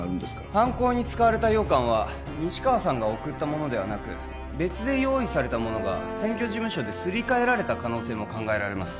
犯行に使われた羊羹は西川さんが送ったものではなく別で用意されたものが選挙事務所ですり替えられた可能性も考えられます